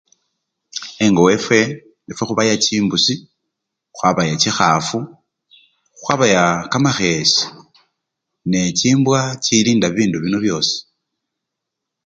Engo wefwe, efwe khubaya chimbusi, khwabaya chikhafu, khwabaya kamakhese nechimbwa chilinda bibindu bino byosi.